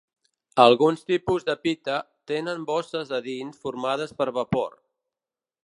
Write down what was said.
Alguns tipus de pita tenen bosses a dins formades per vapor.